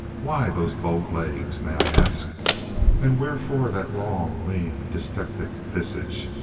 Why those bowed legs, may I ask, and wherefore that long, lean, dyspeptic visage?